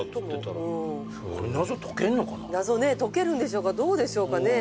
謎解けるんでしょうかどうでしょうかね